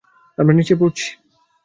আমরা নিচে পড়ছি!